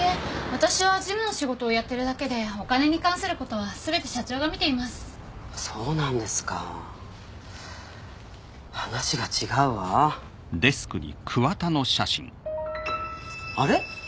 私は事務の仕事をやってるだけでお金に関することはすべて社長が見ていますそうなんですか話が違うわあれ？